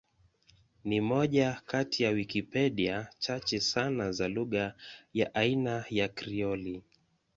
Ni moja kati ya Wikipedia chache sana za lugha ya aina ya Krioli.